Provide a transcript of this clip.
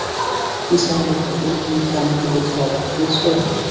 নিসার আলি বললেন, তুমি কি আমাকে দেখে অবাক হয়েছ?